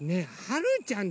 はるちゃん！